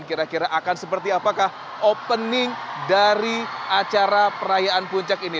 kira kira akan seperti apakah opening dari acara perayaan puncak ini